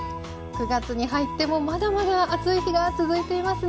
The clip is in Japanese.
９月に入ってもまだまだ暑い日が続いていますね。